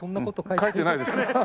書いてないですね。